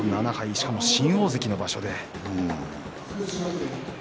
しかも、新大関の場所で。